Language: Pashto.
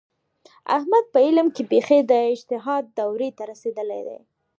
احمد په علم کې بیخي د اجتهاد دورې ته رسېدلی دی.